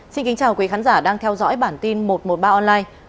xin kính chào quý khán giả đang theo dõi bản tin một trăm một mươi ba online